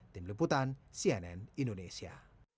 tim leputan cnn indonesia